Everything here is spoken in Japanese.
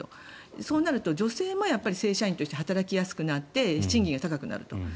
そうなると女性も正社員として働きやすくなって賃金が高くなると。